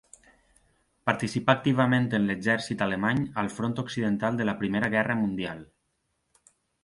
Participà activament en l'exèrcit alemany al front occidental de la Primera Guerra Mundial.